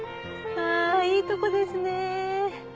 あいいとこですね。